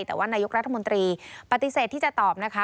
แต่ว่านายกรัฐมนตรีปฏิเสธที่จะตอบนะคะ